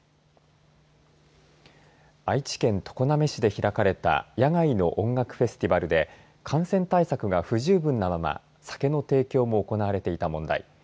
愛知県常滑市で開かれた野外の音楽フェスティバルで感染対策が不十分なまま酒の提供も行われていた問題。